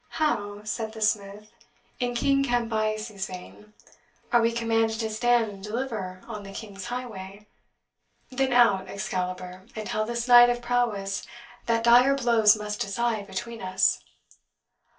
"How?" said the smith, in King Cambyses' vein, "are we commanded to stand and deliver on the king's highway? Then out, Excalibur, and tell this knight of prowess that dire blows must decide between us!"